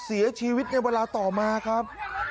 เสียชีวิตในเวลาต่อมาครับ